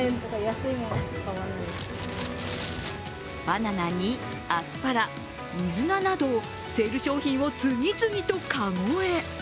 バナナにアスパラ、みずななど、セール商品を次々と籠へ。